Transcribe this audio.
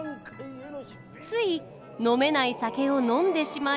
つい飲めない酒を飲んでしまい。